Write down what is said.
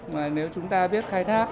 mà nếu chúng ta biết khai thác